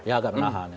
ya agak menahan